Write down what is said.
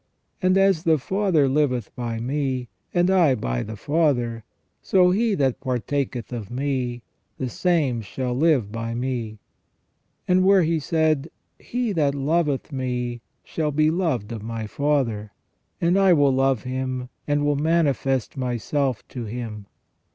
And " As the Father liveth by me, and I by the Father, so he that partaketh of Me, the same shall live by Me ". And where He said :" He that loveth Me shall be loved of My Father : and I will love him, and will manifest Myself to him